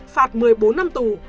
phạt một mươi bốn năm tù